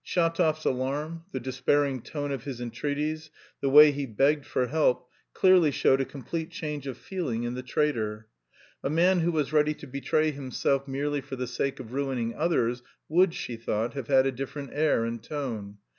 Shatov's alarm, the despairing tone of his entreaties, the way he begged for help, clearly showed a complete change of feeling in the traitor: a man who was ready to betray himself merely for the sake of ruining others would, she thought, have had a different air and tone.